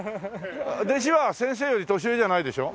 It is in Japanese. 弟子は先生より年上じゃないでしょ？